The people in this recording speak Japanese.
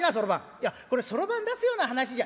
「いやこれそろばん出すような話じゃ」。